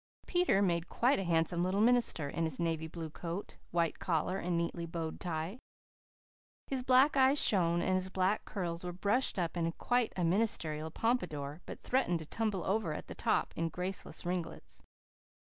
Peter made quite a handsome little minister, in his navy blue coat, white collar, and neatly bowed tie. His black eyes shone, and his black curls were brushed up in quite a ministerial pompadour, but threatened to tumble over at the top in graceless ringlets.